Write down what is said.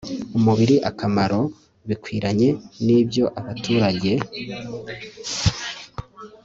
umubiri akamaro bikwiranye nibyo abaturage